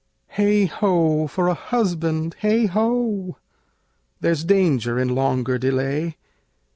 Heigh ho! for a husband! Heigh ho! There's danger in longer delay!